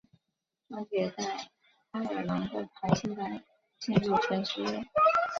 专辑也在爱尔兰的排行榜进入前十位。